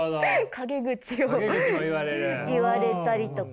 陰口を言われたりとか。